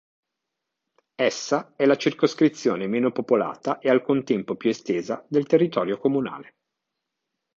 Essa è la circoscrizione meno popolata e al contempo più estesa del territorio comunale.